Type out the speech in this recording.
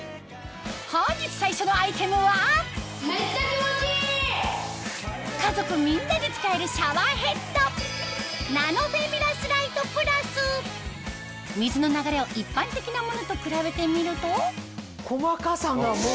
本日最初のアイテムは家族みんなで使えるシャワーヘッド水の流れを一般的なものと比べてみると細かさがもう全然。